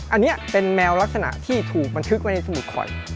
อันนี้เป็นแมวลักษณะที่ถูกบันทึกไว้ในสมุดข่อย